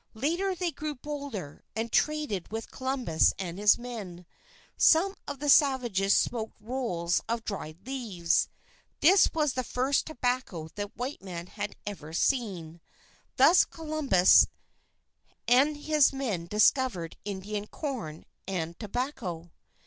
Later they grew bolder, and traded with Columbus and his men. Some of the savages smoked rolls of dried leaves. This was the first tobacco that white men had ever seen. Thus Columbus and his men discovered Indian corn, and tobacco.